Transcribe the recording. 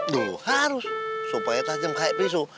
duh harus supaya tajam kayak pisau